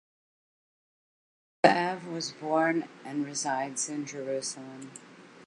Ze'ev was born and resides in Jerusalem.